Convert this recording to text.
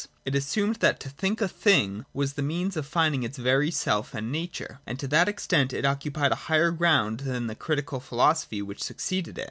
It assumed that to think a thing was the means of finding its very self and nature : and to that extent it occupied higher ground than the Critical Philosophy which succeeded it.